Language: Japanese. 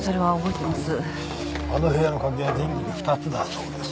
あの部屋の鍵は全部で２つだそうです。